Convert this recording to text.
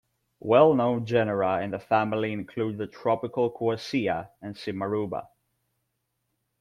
Well-known genera in the family include the tropical "Quassia" and "Simarouba".